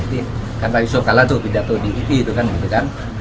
jadi karena itu kalah tuh tidak tuh dikiki itu kan